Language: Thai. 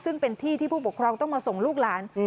ซึ่งเป็นที่ที่ผู้ปกครองต้องมาส่งลูกหลาน